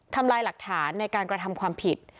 ทำลายหลักฐานในการกระทำความผิด